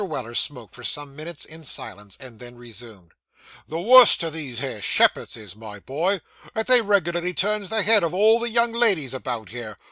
Weller smoked for some minutes in silence, and then resumed 'The worst o' these here shepherds is, my boy, that they reg'larly turns the heads of all the young ladies, about here.